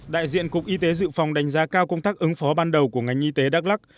đại diện cục y tế dự phòng đánh giá cao công tác ứng phó ban đầu của ngành y tế đắk lắc